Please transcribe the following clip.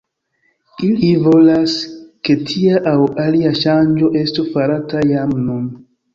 Ili volas, ke tia aŭ alia ŝanĝo estu farata jam nun.